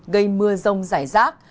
gây mưa rông rải rác